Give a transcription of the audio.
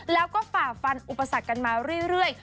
แล้วก็ฝ่าฟันอุปสรรคกันมาเรื่อย